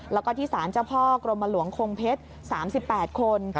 แล้วก็ที่สารเจ้าพ่อกรมหลวงคงเพชร๓๘คน